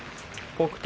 北勝